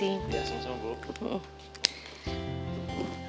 biar sama sama bapak